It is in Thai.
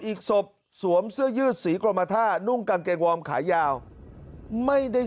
อีกศพสวมเสื้อยืดสีกรมท่านุ่งกางเกงวอร์มขายาวไม่ได้